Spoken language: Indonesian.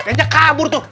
kayaknya kabur tuh